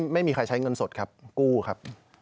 ไม่มีใครใช้เงินสดครับกู้ครับ